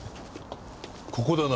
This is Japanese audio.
ここだな。